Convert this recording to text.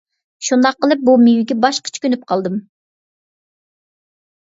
شۇنداق قىلىپ بۇ مېۋىگە باشقىچە كۆنۈپ قالدىم.